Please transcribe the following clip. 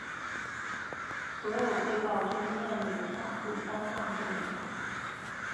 所有被告均面临上述三项罪名。